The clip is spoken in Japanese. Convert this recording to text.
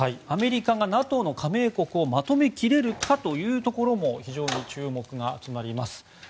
アメリカがＮＡＴＯの加盟国をまとめきれるかというところも非常に注目が集まります。